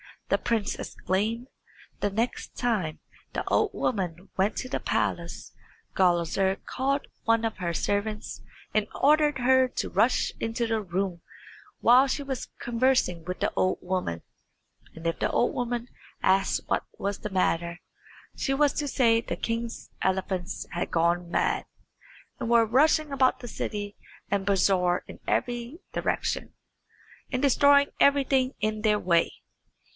the prince exclaimed. The next time the old woman went to the palace Gulizar called one of her servants and ordered her to rush into the room while she was conversing with the old woman; and if the old woman asked what was the matter, she was to say that the king's elephants had gone mad, and were rushing about the city and bazaar in every direction, and destroying everything in their way.